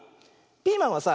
ピーマンはさ